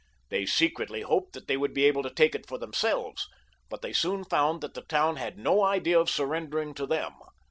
They secretly hoped that they should be able to take it for themselves, but they soon found that the town had no idea of giving itself up to them.